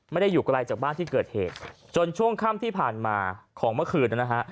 อยู่ไกลจากบ้านที่เกิดเหตุจนช่วงค่ำที่ผ่านมาของเมื่อคืนนะฮะ